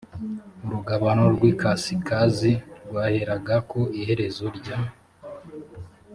urugabano rw ikasikazi rwaheraga ku iherezo rya